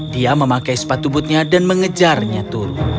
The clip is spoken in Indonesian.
dia memakai sepatu bootnya dan mengejarnya turun